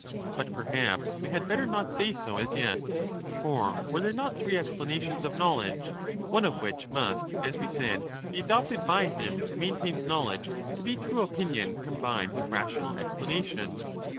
But perhaps we had better not say so as yet, for were there not three explanations of know ledge, one of which must, as we said, be adopted by him who maintains knowledge to be true opinion combined with rational explanation